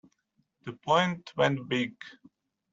The point went big.